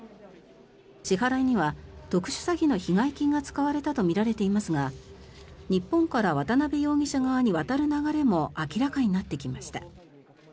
支払いには特殊詐欺の被害金が使われたとみられていますが日本から渡邉容疑者側に渡る流れも明らかになってきました。